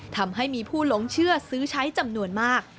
ทำให้มีผู้หลงเชื่อซื้อใช้จำนวนมาก